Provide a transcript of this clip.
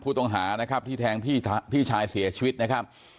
ผู้ต้องหานะครับที่แทงพี่ชายเสียชีวิตนะครับ